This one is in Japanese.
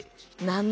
何？